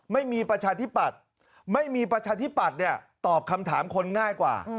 ประชาธิปัตย์ไม่มีประชาธิปัตย์เนี่ยตอบคำถามคนง่ายกว่า